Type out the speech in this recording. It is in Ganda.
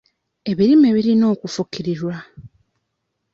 Ebirime birina okufukirirwa.